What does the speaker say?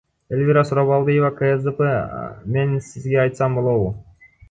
Элвира Сурабалдиева, КСДП Мен сизге айтсам болобу?